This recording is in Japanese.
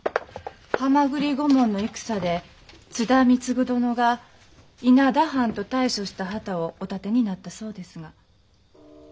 蛤御門の戦で津田貢殿が「稲田藩」と大書した旗をお立てになったそうですが。